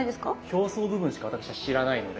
表層部分しか私は知らないので。